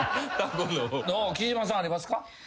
貴島さんありますか？